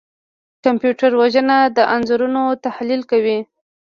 کمپیوټر وژن د انځورونو تحلیل کوي.